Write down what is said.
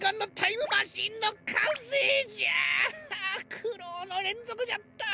くろうのれんぞくじゃった。